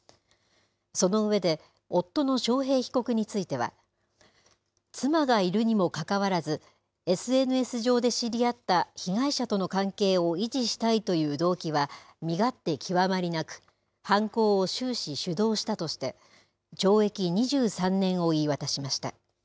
その上で、夫の章平被告については、妻がいるにもかかわらず、ＳＮＳ上で知り合った被害者との関係を維持したいという動機は、身勝手極まりなく、犯行を終始主導したとして、懲役２３年を言い渡しました。